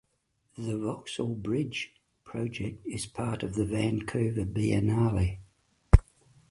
The "Voxel Bridge" project is part of the Vancouver Biennale.